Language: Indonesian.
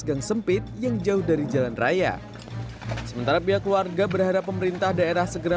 gang sempit yang jauh dari jalan raya sementara pihak keluarga berharap pemerintah daerah segera